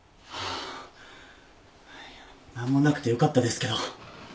あっいや何もなくてよかったですけど。